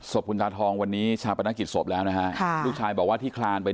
สพทรทองวันนี้ชาวประนักกิจสมท์แล้วนะฮะ